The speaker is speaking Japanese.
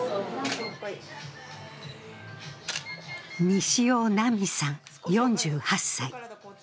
西尾菜美さん４８歳。